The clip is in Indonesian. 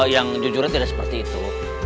yang jujurnya tidak seperti itu